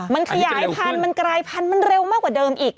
มันขยายพันธุ์มันกลายพันธุ์มันเร็วมากกว่าเดิมอีก